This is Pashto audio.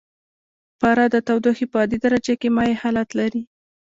پاره د تودوخې په عادي درجه کې مایع حالت لري.